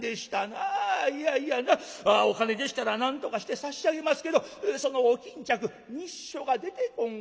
いやいやなお金でしたらなんとかして差し上げますけどそのお巾着密書が出てこん